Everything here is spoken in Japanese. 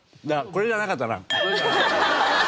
これじゃなかったな。